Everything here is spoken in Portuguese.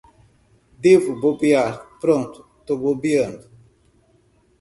Devo bombear. Pronto, tô bombeando